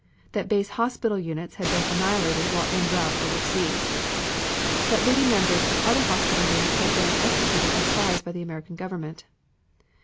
That base hospital units had been annihilated while en route overseas. That leading members of other hospital units had been executed as spies by the American Government.